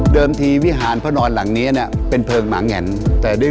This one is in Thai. เป็นความเชื่อว่าหลวงพ่อพระนอนนั้นได้ให้กำลังใจในการที่จะสร้างสิ่งที่ดีงาม